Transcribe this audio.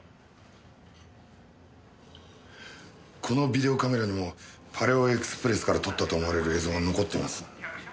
このビデオカメラにもパレオエクスプレスから撮ったと思われる映像が残っています。